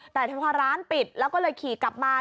แต่พอร้านปิดแล้วก็เลยขี่กลับมา